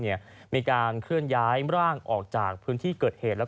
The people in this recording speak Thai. มีการเคลื่อนย้ายร่างออกจากพื้นที่เกิดเหตุแล้ว